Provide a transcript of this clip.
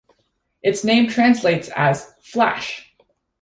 Its name translates as "flash".